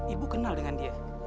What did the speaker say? ibu kenal dengan dia